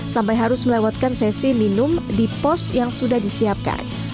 sampai harus melewatkan sesi minum di pos yang sudah disiapkan